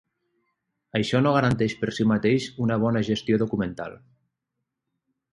Això no garanteix per si mateix una bona gestió documental.